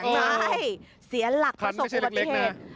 ใช่เสียหลักประสบความสามารถที่เห็น